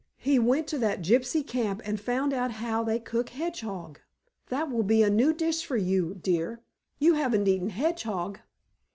He went to that gypsy camp and found out how they cook hedgehog. That will be a new dish for you, dear. You haven't eaten hedgehog."